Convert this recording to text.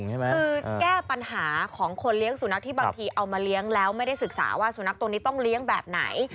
คือแก้ปัญหาของคนเลี้ยงสุนัขที่บางทีเอามาเลี้ยงแล้วไม่ได้ศึกษาว่าสุนัขตัวนี้ต้องเลี้ยงแบบไหน